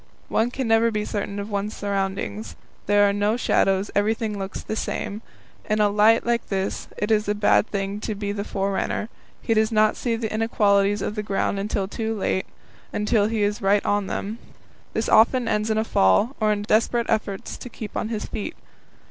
One can never be certain of one's surroundings. There are no shadows; everything looks the same. In a light like this it is a bad thing to be the forerunner; he does not see the inequalities of the ground until too late until he is right on them. This often ends in a fall, or in desperate efforts to keep on his feet.